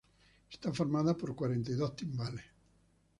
Está formada por cuarenta y dos timbales.